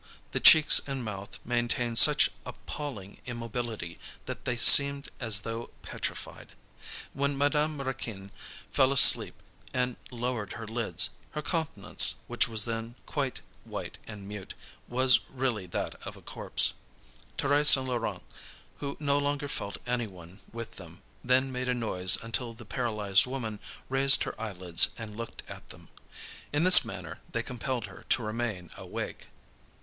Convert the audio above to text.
The cheeks and mouth maintained such appalling immobility that they seemed as though petrified. When Madame Raquin fell asleep and lowered her lids, her countenance, which was then quite white and mute, was really that of a corpse. Thérèse and Laurent, who no longer felt anyone with them, then made a noise until the paralysed woman raised her eyelids and looked at them. In this manner they compelled her to remain awake.